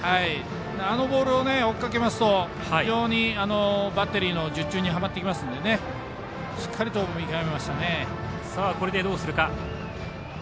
あのボールを追っかけますと非常にバッテリーの術中にはまっていきますのでしっかりと見極めましたね。